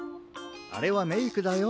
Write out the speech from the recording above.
あれはメイクだよ。